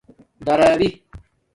دَرابِݵ